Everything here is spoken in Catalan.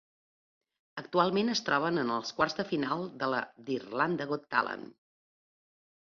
Actualment es troben en els quarts de final de la d'Irlanda Got Talent.